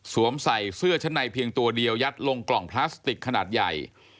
ใส่เสื้อชั้นในเพียงตัวเดียวยัดลงกล่องพลาสติกขนาดใหญ่